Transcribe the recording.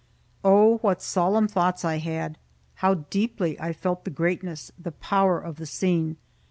Oh, what solemn thoughts I had! How deeply I felt the greatness, the power of the scene!